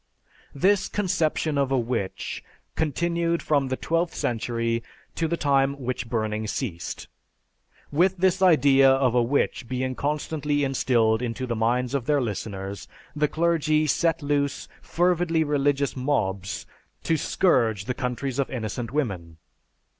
_) This conception of a witch continued from the twelfth century to the time witch burning ceased. With this idea of a witch being constantly instilled into the minds of their listeners, the clergy set loose fervidly religious mobs to scourge the countries of innocent women.